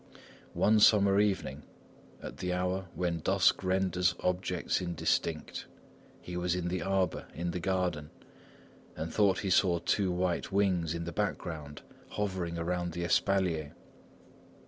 One summer evening, at the hour when dusk renders objects indistinct, he was in the arbour in the garden, and thought he saw two white wings in the background hovering around the espalier.